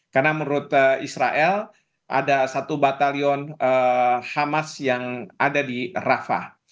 karena menurut israel ada satu batalion hamas yang ada di rafah